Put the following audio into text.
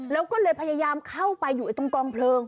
แล้วก็เลยพยายามเข้าไปอยู่ตรงกองเพลิง